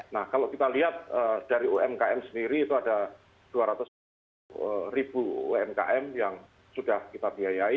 nah kalau kita lihat dari umkm sendiri itu ada dua ratus empat puluh ribu umkm yang sudah kita biayai